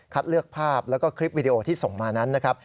เลือกภาพแล้วก็คลิปวิดีโอที่ส่งมานั้นนะครับ